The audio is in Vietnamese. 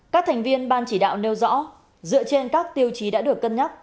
các thành viên ban chỉ đạo nêu rõ dựa trên các tiêu chí đã được cân nhắc